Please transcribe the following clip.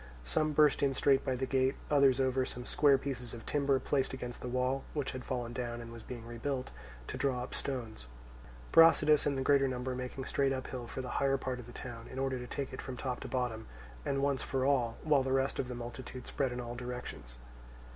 Some burst in straight by the gate, others over some square pieces of timber placed against the wall (which has fallen down and was being rebuilt) to draw up stones; Brasidas and the greater number making straight uphill for the higher part of the town, in order to take it from top to bottom, and once for all, while the rest of the multitude spread in all directions.